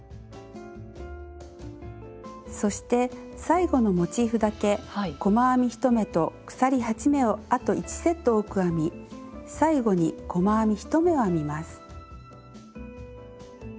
そして最後のモチーフだけ細編み１目と鎖８目をあと１セット多く編み最後に細編み１目を編みます。